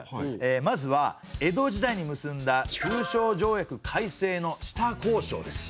まずは江戸時代に結んだ通商条約改正の下交渉です。